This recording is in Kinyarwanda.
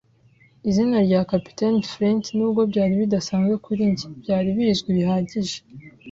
izina rya Kapiteni Flint, nubwo byari bidasanzwe kuri njye, byari bizwi bihagije